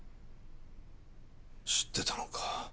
知ってたのか。